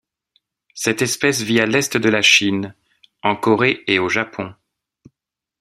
Cette espèce vit à l'est de la Chine, en Corée et au Japon.